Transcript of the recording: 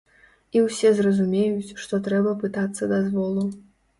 І усе зразумеюць, што трэба пытацца дазволу.